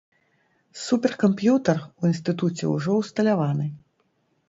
Суперкамп'ютар у інстытуце ўжо ўсталяваны.